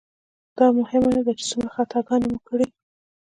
دا مهمه نه ده چې څومره خطاګانې مو کړي.